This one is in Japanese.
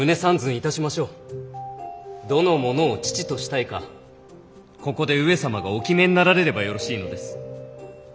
どの者を父としたいかここで上様がお決めになられればよろしいのです。